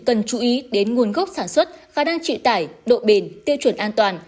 cần chú ý đến nguồn gốc sản xuất khả năng trị tải độ bền tiêu chuẩn an toàn